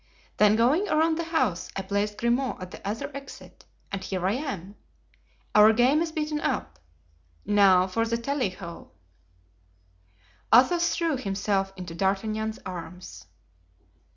Then going around the house I placed Grimaud at the other exit, and here I am. Our game is beaten up. Now for the tally ho." Athos threw himself into D'Artagnan's arms.